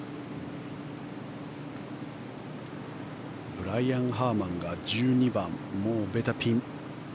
ブライアン・ハーマンが１２番、もうベタピン。